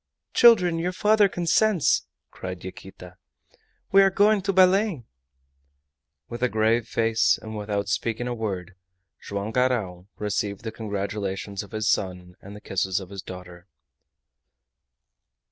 "Children! your father consents!" cried Yaquita. "We are going to Belem!" With a grave face, and without speaking a word, Joam Garral received the congratulations of his son and the kisses of his daughter.